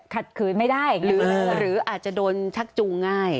ขืนไม่ได้หรืออาจจะโดนชักจูงง่าย